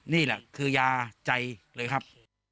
นี่แหละคือยาใจเลยครับ